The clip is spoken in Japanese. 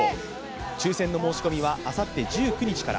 抽せんの申し込みはあさって１９日から。